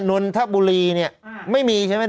นนทบุรีเนี่ยไม่มีใช่ไหม